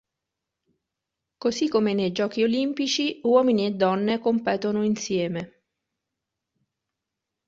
Così come nei Giochi olimpici uomini e donne competono insieme.